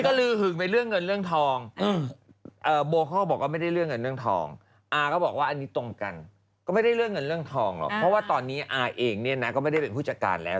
อเจมส์ออน้ำอ้อยเขาบิดขี้เกียจแบบนี้เพื่อนหลังกับแม่งใจ